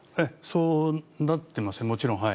そうなってますよね、もちろん。